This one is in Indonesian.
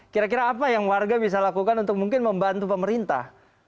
kira kira apa yang warga bisa lakukan untuk mungkin membantu pemerintah